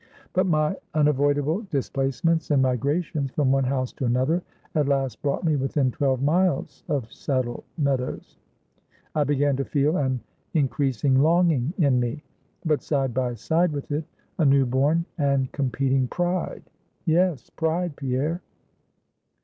But my unavoidable displacements and migrations from one house to another, at last brought me within twelve miles of Saddle Meadows. I began to feel an increasing longing in me; but side by side with it, a new born and competing pride, yes, pride, Pierre.